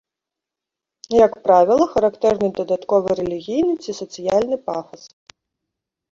Як правіла, характэрны дадатковы рэлігійны ці сацыяльны пафас.